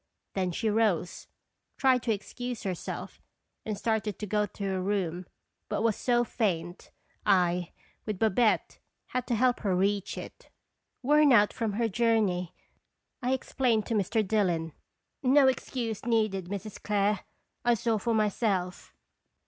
Then she rose, tried to excuse herself, and started to go to her room, but was so faint, I, with Babette, had to help her reach it. " Worn out from her journey," I explained to Mr. Dillon. "No excuse needed, Mrs. Clare; I saw for myself."